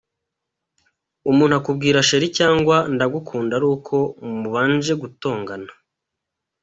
umuntu akubwira cheri cg Ndagukunda ari uko mubanje gutongana.